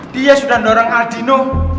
dia sudah dorong aldino